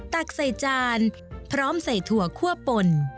ตักใส่จานพร้อมใส่ถั่วคั่วป่น